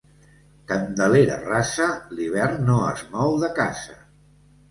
Candelera rasa, l'hivern no es mou de casa.